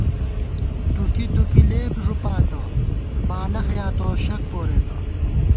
دُکی دُکی لېپ ݫُپاتہ ، بالخ یا توشَک پورېتہ